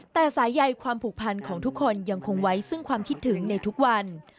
แต่สายใยความผูกพันของทุกคนยังคงไว้ซึ่งความคิดถึงในทุกวัน